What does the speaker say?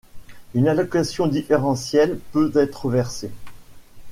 Une allocation différentielle peut être versée.